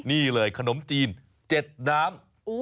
นี่เลยขนมจีน๗น้ำ